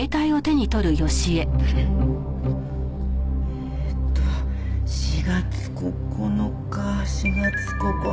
えーっと４月９日４月。